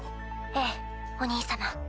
ええお兄様。